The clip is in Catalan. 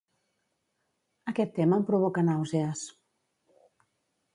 Aquest tema em provoca nàusees.